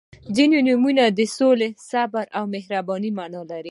• ځینې نومونه د سولې، صبر او مهربانۍ معنا لري.